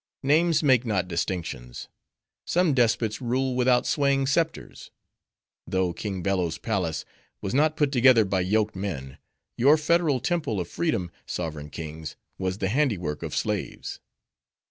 "Names make not distinctions; some despots rule without swaying scepters. Though King Bello's palace was not put together by yoked men; your federal temple of freedom, sovereign kings! was the handiwork of slaves.